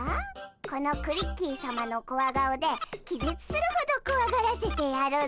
このクリッキーさまのコワ顔で気絶するほどこわがらせてやるぞ！